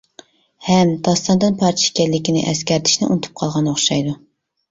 ھەم داستاندىن پارچە ئىكەنلىكىنى ئەسكەرتىشنى ئۇنتۇپ قالغان ئوخشايدۇ!